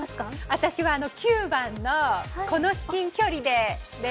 私は９番の、この至近距離で。